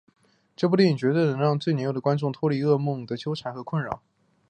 这部电影绝对能够让最年幼的观众都脱离噩梦的缠绕和困扰。